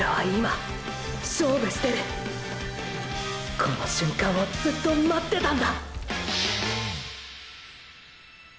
この瞬間をずっと待ってたんだ